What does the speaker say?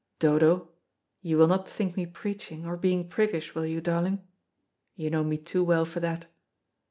"Dodo, you will not think me preaching or being priggish, will you, darling? You know me too well for that.